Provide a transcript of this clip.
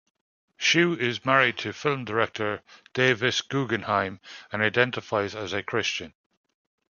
Shue is married to film director Davis Guggenheim, and identifies as a Christian.